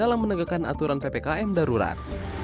aturan ppkm darurat